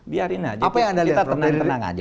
biarin aja kita tenang tenang aja